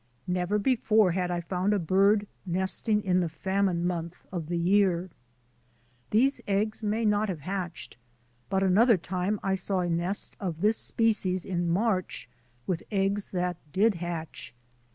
Never before had I found a bird nesting in the famine month of the year. These eggs may not have hatched, but another time I saw a nest of this species in March with eggs that did hatch.